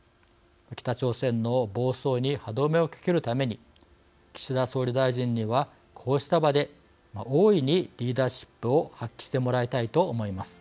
北朝鮮の暴走に歯止めをかけるために岸田総理大臣には、こうした場で大いにリーダーシップを発揮してもらいたいと思います。